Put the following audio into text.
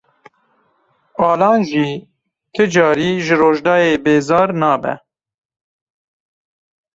Alan jî ti carî ji Rojdayê bêzar nabe.